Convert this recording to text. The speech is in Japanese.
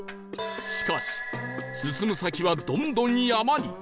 しかし進む先はどんどん山に